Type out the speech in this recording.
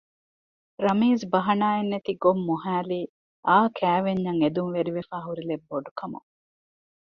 ރަމީޒު ބަހަނާއެއް ނެތި ގޮށް މޮހައިލީ އައު ކައިވެންޏަށް އެދުންވެރިވެފައި ހުރިލެއް ބޮޑުކަމުން